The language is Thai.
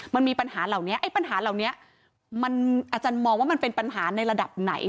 มันมีปัญหาเหล่านี้ไอ้ปัญหาเหล่านี้มันอาจารย์มองว่ามันเป็นปัญหาในระดับไหน